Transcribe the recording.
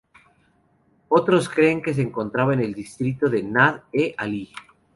Otros creen que se encontraba en el distrito de Nād-e 'Alī.